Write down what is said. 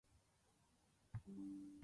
連打したら減点になりますよ